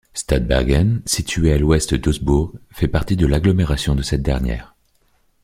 Stadtbergen, située à à l'ouest d'Augsbourg fait partie de l'agglomération de cette dernière.